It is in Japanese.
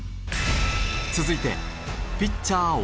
続いてピッチャー